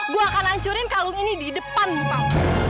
gue akan hancurin kalung ini di depan lo tau